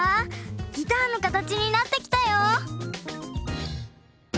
ギターのかたちになってきたよ。